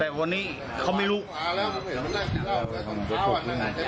ไปโบกรถจักรยานยนต์ของชาวอายุขวบกว่าเองนะคะ